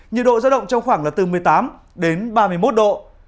nhiệt độ giao động trong khoảng là từ một mươi tám đến ba mươi một độ